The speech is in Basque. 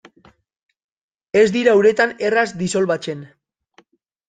Ez dira uretan erraz disolbatzen.